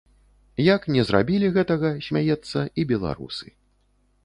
Як не зрабілі гэтага, смяецца, і беларусы.